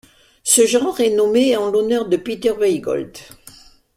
Ce genre est nommé en l'honneur de Peter Weygoldt.